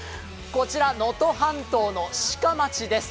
こちら能登半島の志賀町です。